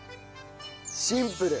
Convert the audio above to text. シンプル。